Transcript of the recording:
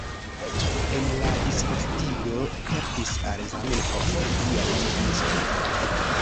En la disvastigo helpis al Zamenhof liaj parencoj.